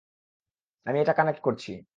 আমি এটা কানেক্ট করছি।